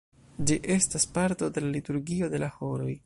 Ĝi estas parto de la liturgio de la horoj.